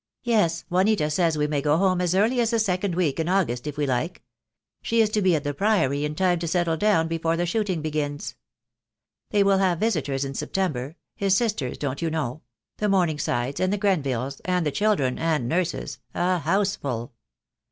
"Yes, Juanita says we may go home as early as the second week in August if we like. She is to be at the Priory in time to settle down before the shooting begins. They will have visitors in September — his sisters, don't you know — the Morningsides and the Grenvilles, and THE DAY WILL COME. IC>5 children and nurses — a house full.